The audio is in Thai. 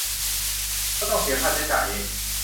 ก็ต้องเสียค่าใช้จ่ายเอง